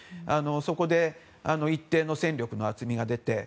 そこで一定の戦力の厚みが出て。